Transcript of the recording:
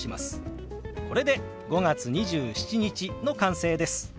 これで「５月２７日」の完成です。